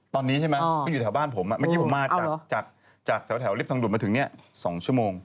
ตอนนี้ใช่ไหมเป็นอยู่แถวบ้านผมไม่คิดว่าผมมาจากแถวลิฟทางดุดมาถึงนี่๒ชั่วโมง